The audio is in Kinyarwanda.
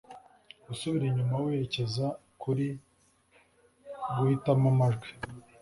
gusubira inyuma werekeza kuri guhitamo amajwi